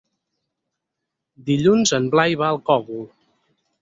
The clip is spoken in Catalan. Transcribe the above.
Dilluns en Blai va al Cogul.